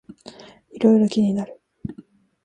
いろいろ気になる